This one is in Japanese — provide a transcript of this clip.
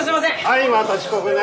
はいまた遅刻ね。